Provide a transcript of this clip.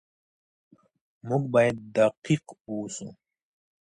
موږ بايد دقيق اوسو.